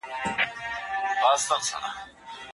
افغان حکومت د سیمه ییزو تړونونو څخه سرغړونه نه کوي.